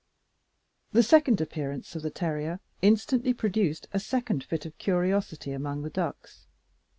The second appearance of the terrier instantly produced a second fit of curiosity among the ducks.